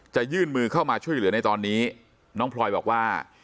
ยื่นมือเข้ามาช่วยเหลือในตอนนี้น้องพลอยบอกว่า